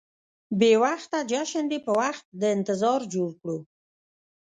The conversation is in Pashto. بې وخته جشن دې په وخت د انتظار جوړ کړو.